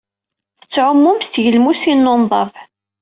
Tettɛumum s tgelmusin n unḍab.